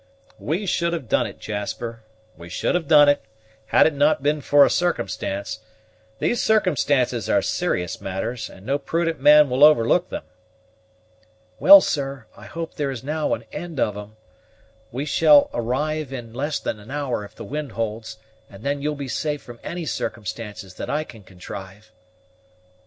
"We should have done it, Jasper, we should have done it, had it not been for a circumstance; these circumstances are serious matters, and no prudent man will overlook them." "Well, sir, I hope there is now an end of them. We shall arrive in less than an hour if the wind holds, and then you'll be safe from any circumstances that I can contrive."